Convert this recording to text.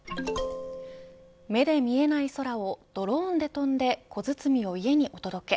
目で見えない空をドローンで飛んで小包を家にお届け。